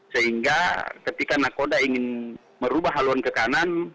sehingga ketika nakoda ingin merubah haluan ke kanan